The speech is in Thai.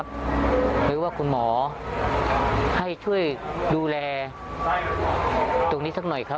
เพราะถ้าไม่ฉีดก็ไม่ได้